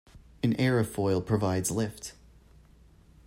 An aerofoil provides lift